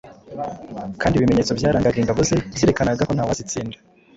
kandi ibimenyetso byarangaga ingabo ze byerekanaga ko nta wazitsinda